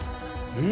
うん。